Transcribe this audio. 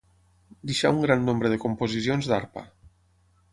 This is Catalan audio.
Deixà un gran nombre de composicions d'arpa.